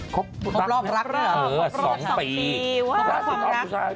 ครบรักเหรอครบรอบสองปีว้าวครบรอบสองปีครบรอบสุชา